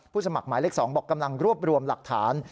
สมัครหมายเลข๒บอกกำลังรวบรวมหลักฐาน